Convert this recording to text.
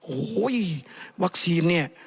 โหว้ยวัคซีนเนี่ย